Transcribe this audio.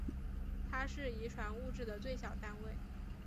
它是遗传物质的最小单位。